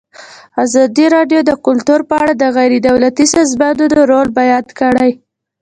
ازادي راډیو د کلتور په اړه د غیر دولتي سازمانونو رول بیان کړی.